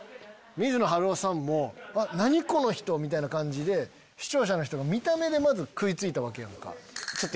水野晴郎さんも何この人⁉みたいな感じで視聴者の人が見た目で食い付いたわけやんか。